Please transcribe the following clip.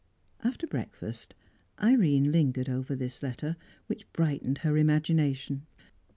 After breakfast, Irene lingered over this letter, which brightened her imagination.